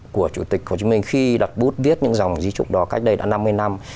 của chủ tịch hồ chí minh khi đặt bút viết những dòng di trúc đó cách đây đã năm mươi năm